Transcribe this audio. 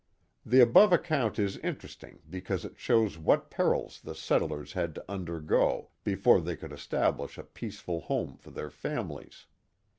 The above account is interesting because it shows what perils the settlers had to undergo before they could establish a peaceful home for their families.